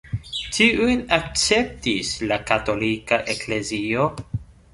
Tiun akceptis la katolika eklezio.